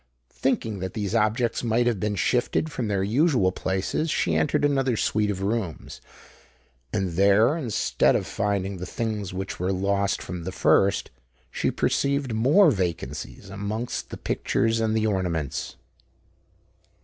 Thinking that these objects might have been shifted from their usual places, she entered another suite of rooms; and there, instead of finding the things which were lost from the first, she perceived more vacancies amongst the pictures and the ornaments.